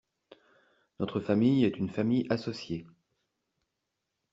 Notre famille est une famille associée.